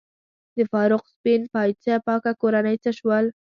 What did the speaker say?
د فاروق سپین پایڅه پاکه کورنۍ څه شول؟